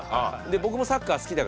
僕もサッカー好きだから。